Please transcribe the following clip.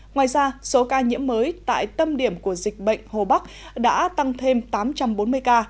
ngoài ra số ca nhiễm mới tại tâm điểm của dịch bệnh hồ bắc đã tăng thêm tám trăm bốn mươi ca